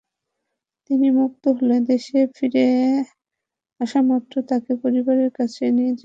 তিনি মুক্ত হয়ে দেশে ফিরে আসামাত্র তাঁকে পরিবারের কাছে নিয়ে যাওয়া হবে।